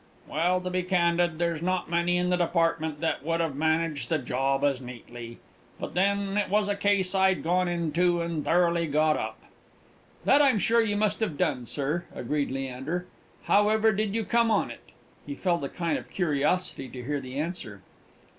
"Well, to be candid, there's not many in the Department that would have managed the job as neatly; but, then, it was a case I'd gone into, and thoroughly got up." "That I'm sure you must have done, sir," agreed Leander. "How ever did you come on it?" He felt a kind of curiosity to hear the answer.